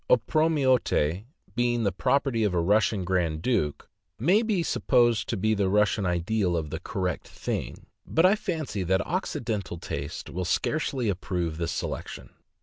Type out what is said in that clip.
Opromiote, being the property of a Russian grand duke, maybe supposed to be the Russian ideal of the "correct thing;" but I fancy that Occidental taste will scarcely approve this selection.